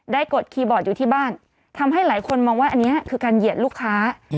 กดคีย์บอร์ดอยู่ที่บ้านทำให้หลายคนมองว่าอันนี้คือการเหยียดลูกค้า